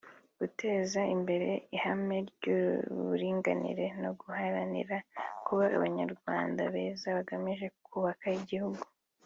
guteza imbere ihame ry’uburinganire no guharanira kuba Abanyarwanda beza bagamije kubaka igihugu